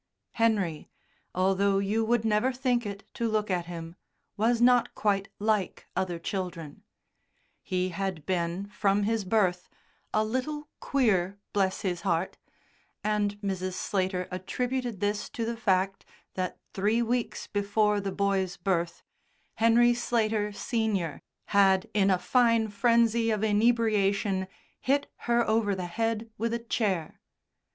Henry, although you would never think it to look at him, was not quite like other children; he had been, from his birth, a "little queer, bless his heart," and Mrs. Slater attributed this to the fact that three weeks before the boy's birth, Horny Slater, Senior, had, in a fine frenzy of inebriation, hit her over the head with a chair.